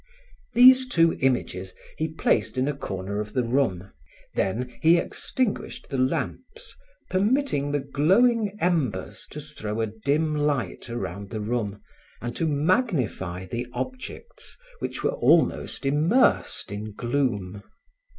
These two images he placed in a corner of the room. Then he extinguished the lamps, permitting the glowing embers to throw a dim light around the room and to magnify the objects which were almost immersed in gloom.